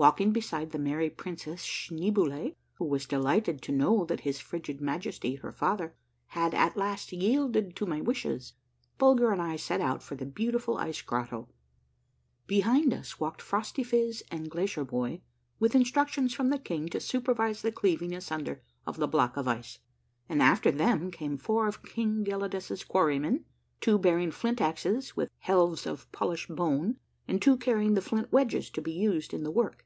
Walking beside the merry Princess Schneeboule, who was delighted to know that his frigid Majesty, her father, had at last yielded to my wishes, Bulger and I set out for the beauti ful ice grotto ; behind us walked Phrostyphiz and Glacierbhoy with instructions from the king to supervise the cleaving asunder of the block of ice ; and after them came four of King Gelidus' quarry men, two bearing flint axes with helves of polished bone, and two carrying the flint wedges to be used in the work.